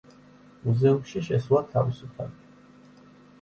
მუზეუმში შესვლა თავისუფალია.